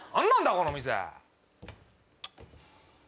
この店！